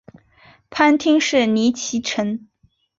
藩厅是尼崎城。